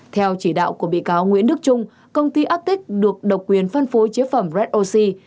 theo chỉ đạo của bị cáo nguyễn đức trung công ty atic được độc quyền phân phối chế phẩm red oxy